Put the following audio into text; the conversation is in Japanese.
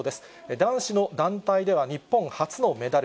男子の団体では日本初のメダル。